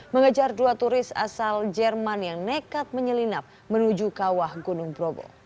mengejar dua turis asal jerman yang nekat menyelinap menuju kawah gunung brobo